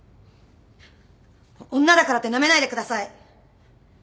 女だからってなめないでください！